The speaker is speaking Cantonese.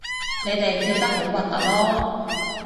你哋跳得好核突囉